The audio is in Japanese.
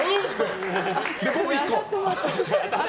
当たってます。